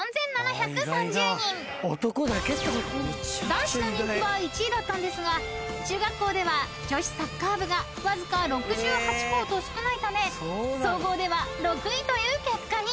［男子の人気は１位だったんですが中学校では女子サッカー部がわずか６８校と少ないため総合では６位という結果に］